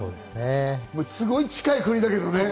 すごい近い国だけれどね。